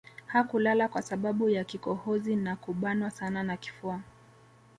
Hakulala kwa sababu ya kikohozi na kubanwa sana na kifua